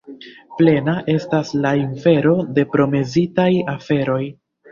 Plena estas la infero de promesitaj aferoj.